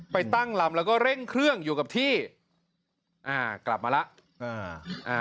ไปตั้งลำเร็งเครื่องอยู่กับที่อ่ากลับมาละ